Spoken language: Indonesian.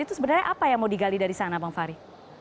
itu sebenarnya apa yang mau digali dari sana bang fahri